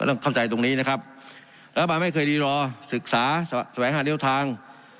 ก็ต้องเข้าใจตรงนี้นะครับแล้วก็ไม่เคยรีลอศึกษาสวัสดิ์ห้าเดียวทาง